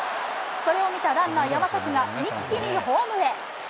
それを見たランナー、山崎が一気にホームへ。